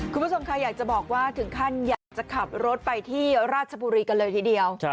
คุณผู้ชมค่ะอยากจะบอกว่าถึงขั้นอยากจะขับรถไปที่ราชบุรีกันเลยทีเดียว